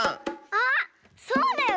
あっそうだよ！